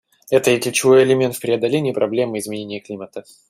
Это и ключевой элемент в преодолении проблемы изменения климата.